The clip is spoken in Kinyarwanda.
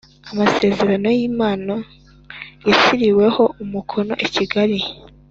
Amasezerano y Impano yashyiriweho umukono i Kigali